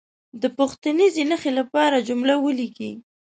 د پوښتنیزې نښې لپاره جمله ولیکي.